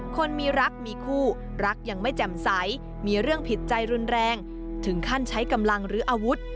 คนมีรักมีคู่รักยังไม่แจ่มใสมีเรื่องผิดใจรุนแรงถึงขั้นใช้กำลังหรืออาวุธ